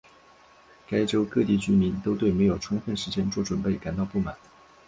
该州各地居民都对没有充分时间做准备感到不满。